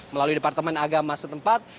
melalui departemen agama setempat